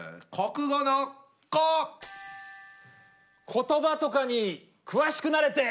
言葉とかに詳しくなれて。